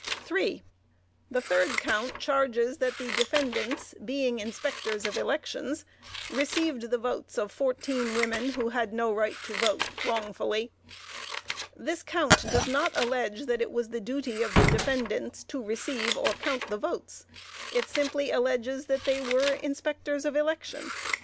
3. The third count charges that the defendants, being inspectors of elections, received the votes of fourteen women who had no right to vote, wrongfully. This count does not allege that it was the duty of the defendants to receive or count the votes. It simply alleges that they were Inspectors of Election.